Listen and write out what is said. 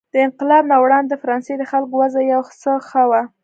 د انقلاب نه وړاندې د فرانسې د خلکو وضع یو څه ښه وه.